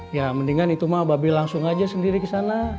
ya mendingan itu mah babi langsung aja sendiri ke sana